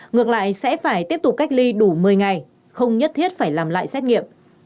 ngược lại sẽ phải tiếp tục cách ly đủ một mươi ngày không nhất thiết phải làm lại xét nghiệm